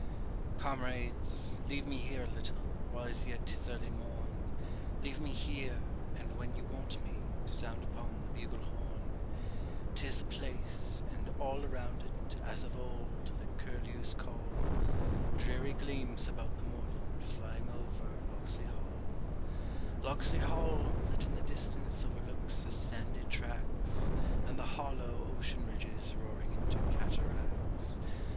Comrades, leave me here a little, while as yet 'tis early morn, Leave me here, and when you want me, sound upon the bugle horn. 'Tis the place, and all around it, as of old, the curlews call, Dreary gleams about the moorland, flying over Locksley Hall: Locksley Hall, that in the distance overlooks the sandy tracts, And the hollow ocean ridges roaring into cataracts.